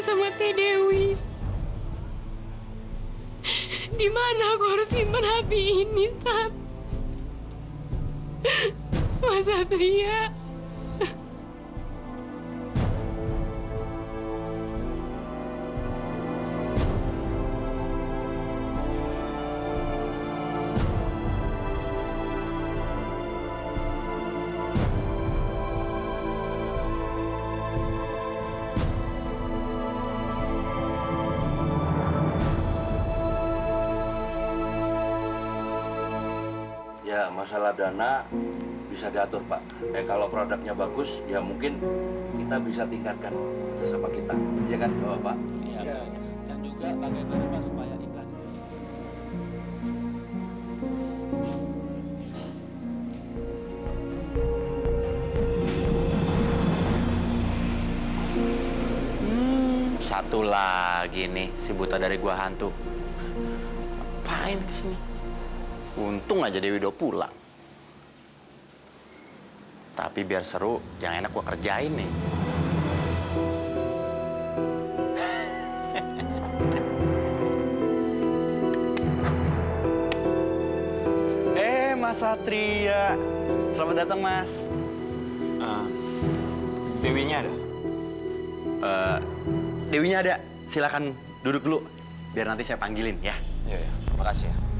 sampai jumpa di video selanjutnya